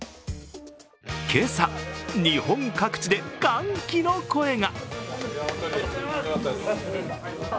今朝、日本各地で歓喜の声が。